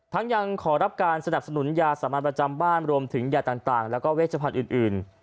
ยังขอรับการสนับสนุนยาสามัญประจำบ้านรวมถึงยาต่างแล้วก็เวชพันธุ์อื่น